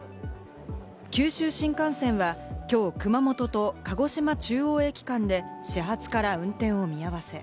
九州新幹線はきょう熊本と鹿児島中央駅間で始発から運転を見合わせ。